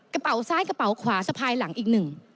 กระเป๋าซ้ายกระเป๋าขวาสะพายหลังอีกหนึ่ง